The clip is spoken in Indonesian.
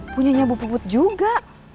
punyanya bu puput juga